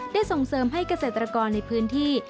ได้ส่งเสิร์มให้กระเศสตรากรในพื้นที่